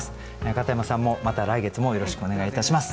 片山さんもまた来月もよろしくお願いいたします。